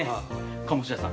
鴨志田さん